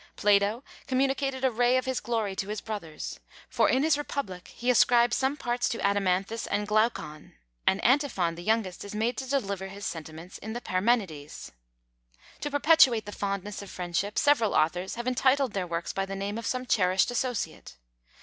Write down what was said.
Plato communicated a ray of his glory to his brothers; for in his Republic he ascribes some parts to Adimanthus and Glauchon; and Antiphon the youngest is made to deliver his sentiments in the Parmenides, To perpetuate the fondness of friendship, several authors have entitled their works by the name of some cherished associate.